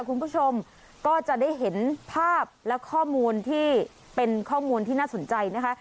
คุณผู้ชมก็จะได้เห็นภาพและข้อมูลที่เป็นข้อมูลที่น่าสนใจนะคะ